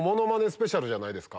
スペシャルじゃないですか。